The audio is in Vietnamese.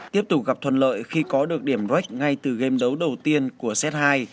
tiếp tục gặp thuận lợi khi có được điểm rách ngay từ game đấu đầu tiên của xếp hai